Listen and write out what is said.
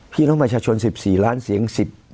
พี่น้องประชาชน๑๔ล้านเสียง๑๐